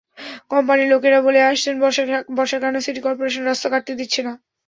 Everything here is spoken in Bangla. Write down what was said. কোম্পানির লোকেরা বলে আসছেন, বর্ষার কারণে সিটি করপোরেশন রাস্তা কাটতে দিচ্ছে না।